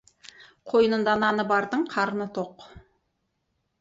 Қойнында наны бардың қарны тоқ.